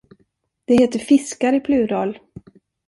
Det heter fiskar i plural.